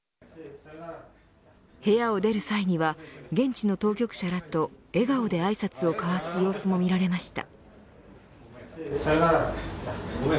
部屋を出る際には現地の当局者らと笑顔であいさつを交わす様子も見られました。